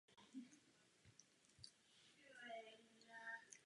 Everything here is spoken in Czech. Sluneční skvrny jsou krátery po dopadu ledových balvanů.